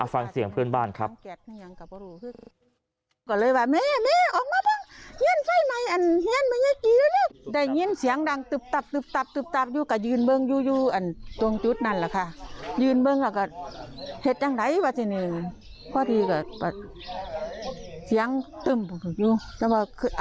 ฟังเสียงเพื่อนบ้านครับ